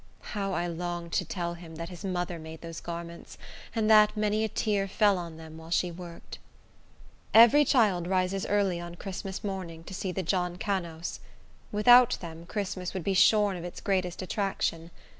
How I longed to tell him that his mother made those garments, and that many a tear fell on them while she worked! Every child rises early on Christmas morning to see the Johnkannaus. Without them, Christmas would be shorn of its greatest attraction.